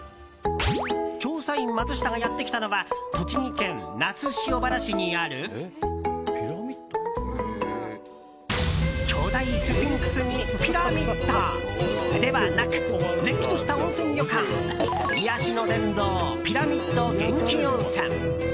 調査員マツシタがやってきたのは栃木県那須塩原市にある巨大スフィンクスにピラミッド！ではなくれっきとした温泉旅館癒しの殿堂ピラミッド元氣温泉。